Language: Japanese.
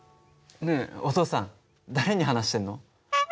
ねえお父さん誰に話してるの？